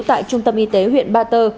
tại trung tâm y tế huyện ba tơ